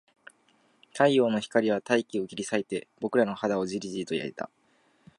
太陽の光は大気を切り裂いて、僕らの肌をじりじりと焼いた